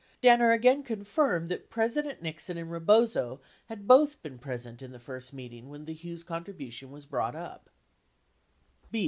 Danner again confirmed that President Nixon and Re bozo had both been present in the first meeting when the Hughes contribution was brought up.